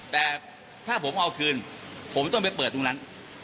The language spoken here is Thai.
แต่ถ้าผมเอาคืนผมต้องไปเปิดตรงนั้น